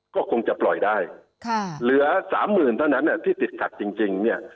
ก็คงจะปล่อยได้เหลือสามหมื่นเท่านั้นที่ติดขัดจริงเนี่ย